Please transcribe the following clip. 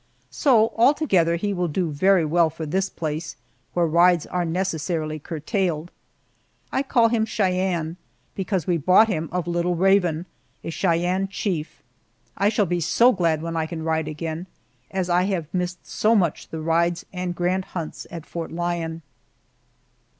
So, altogether, he will do very well for this place, where rides are necessarily curtailed. I call him Cheyenne, because we bought him of Little Raven, a Cheyenne chief. I shall be so glad when I can ride again, as I have missed so much the rides and grand hunts at Fort Lyon.